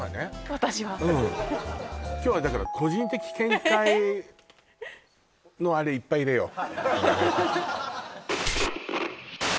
私はうん今日はだから個人的見解のあれいっぱい入れよう